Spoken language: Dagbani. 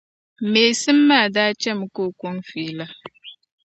Meesim maa da chɛm'ka o kɔŋ feela.